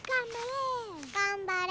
がんばれ！